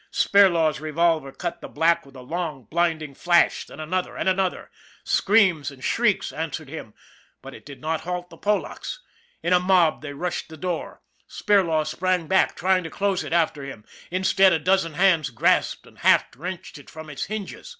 Spirlaw's revolver cut the black with a long, blind ing flash, then another, and another. Screams and THE BUILDER 147 shrieks answered him, but it did not halt the Polacks. In a mob they rushed the door. Spirlaw sprang back, trying to close it after him; instead, a dozen hands grasped and half wrenched it from its hinges.